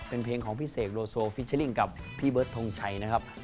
เป็นเพลงของพี่เสกโลโซฟิเจอร์ลิ่งกับพี่เบิร์ดทงชัยนะครับ